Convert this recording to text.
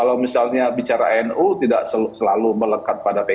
kalau misalnya bicara nu tidak selalu melekat pada pkb